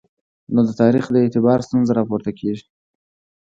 نو د تاریخ د اعتبار ستونزه راپورته کېږي.